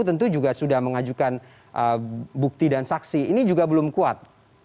tentu juga sudah mengajukan bukti dan saksi ini juga belum kuat